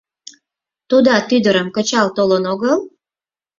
Тудат ӱдырым кычал толын огыл?